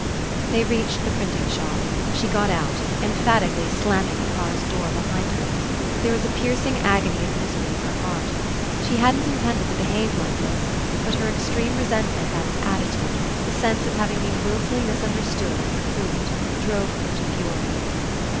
They reached the printing shop. She got out, emphatically slamming the car's door be hind her. There was a piercing agony of misery In her heart. She hadn't Intended to behave like this, but her extreme resentment at his at titude, the sense of having been wilfully mis understood and reproved, drove her to fury.